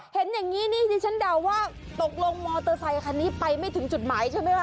เห็นอย่างนี้นี่ดิฉันเดาว่าตกลงมอเตอร์ไซคันนี้ไปไม่ถึงจุดหมายใช่ไหมคะ